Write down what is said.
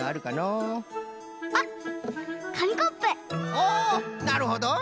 おおなるほど！